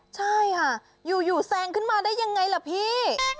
ใช่ค่ะอยู่แซงขึ้นมาได้ยังไงล่ะพี่